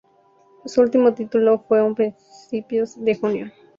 Su último título fue a principios de junio.